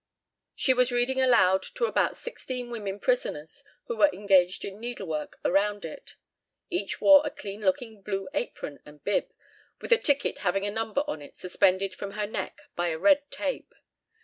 She was reading aloud to about sixteen women prisoners, who were engaged in needlework around it. Each wore a clean looking blue apron and bib, with a ticket having a number on it suspended from her neck by a red tape.